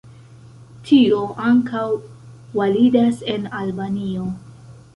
Tio ankaŭ validas en Albanio.